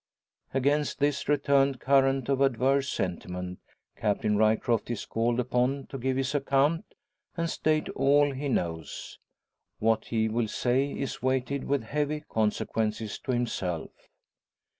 Against this returned current of adverse sentiment, Captain Ryecroft is called upon to give his account, and state all he knows. What he will say is weighted with heavy consequences to himself.